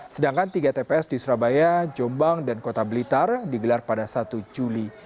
sedangkan tiga tps di surabaya jombang dan kota blitar digelar pada satu juli